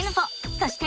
そして。